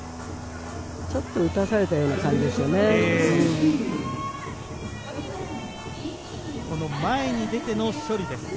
ちょっと打たされたような感じですよね。